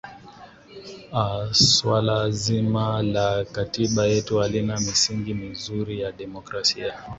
a swala zima la katiba yetu halina misingi mizuri ya democrasia